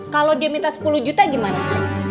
kalau dia minta sepuluh juta gimana